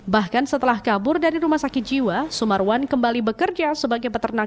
bahkan setelah kabur dari rumah sakit jiwa sumarwan kembali bekerja sebagai peternak